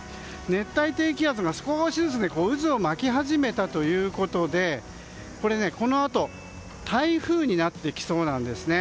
熱帯低気圧が少しずつ渦を巻き始めたということでこのあと台風になってきそうなんです。